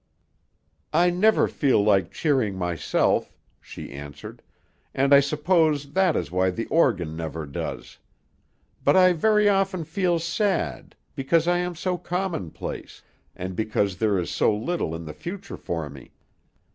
"I never feel like cheering myself," she answered, "and I suppose that is why the organ never does. But I very often feel sad, because I am so commonplace, and because there is so little in the future for me.